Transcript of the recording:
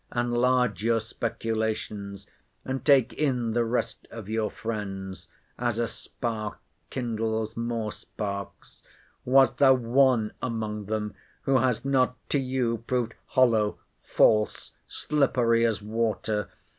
Enlarge your speculations, and take in the rest of your friends, as a spark kindles more sparks. Was there one among them, who has not to you proved hollow, false, slippery as water?